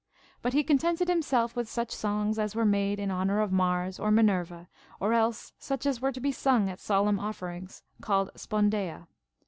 But he contented himself with such songs as were made in honor of Mars or Minerva, or else such as Avere to be sung at solemn offerings, called Spondeia.